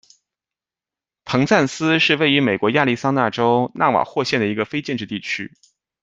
彭赞斯是位于美国亚利桑那州纳瓦霍县的一个非建制地区。